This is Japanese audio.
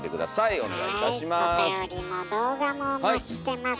おたよりも動画もお待ちしてます。